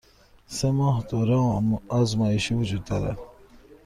سه ماه دوره آزمایشی وجود دارد.